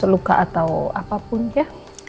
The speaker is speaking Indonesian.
luka atau apapun ya